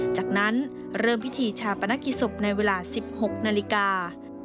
จากนั้นเริ่มพิธีชาปนกิจศพในเวลา๑๖นาฬิกา